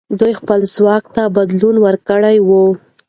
دوی خپل ځواک ته بدلون ورکړی وو.